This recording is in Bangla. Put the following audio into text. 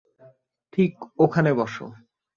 ঠিক ওখানে বসো।